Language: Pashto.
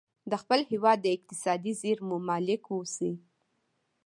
د خپل هیواد اقتصادي زیرمو مالک واوسي.